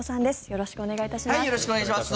よろしくお願いします。